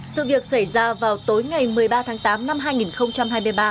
sự việc xảy ra vào tối ngày một mươi ba tháng tám năm hai nghìn hai mươi ba